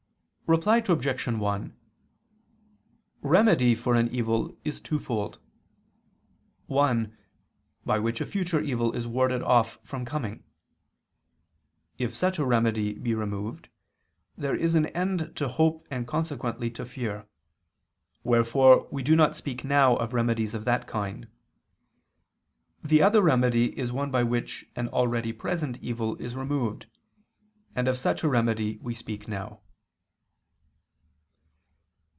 Reply Obj. 1: Remedy for an evil is twofold. One, by which a future evil is warded off from coming. If such a remedy be removed, there is an end to hope and consequently to fear; wherefore we do not speak now of remedies of that kind. The other remedy is one by which an already present evil is removed: and of such a remedy we speak now.